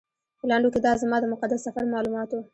په لنډو کې دا زما د مقدس سفر معلومات و.